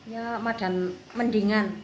ya madan mendingan